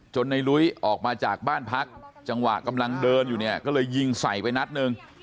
ในลุ้ยออกมาจากบ้านพักจังหวะกำลังเดินอยู่เนี่ยก็เลยยิงใส่ไปนัดหนึ่ง